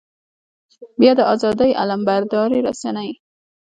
بيا د ازادۍ علمبردارې رسنۍ.